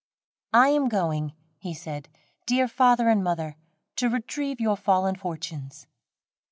"I am going," he said, "dear father and mother, to retrieve your fallen fortunes."